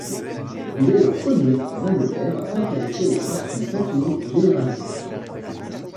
Il est le premier, en Angleterre, à s'intéresser aux fractions continues généralisées.